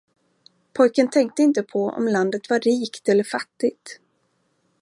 Pojken tänkte inte på om landet var rikt eller fattigt.